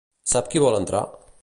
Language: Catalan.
Sap qui vol entrar?